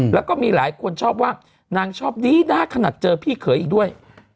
แล้วก็มีหลายคนชอบว่านางชอบดีนะขนาดเจอพี่เขยอีกด้วย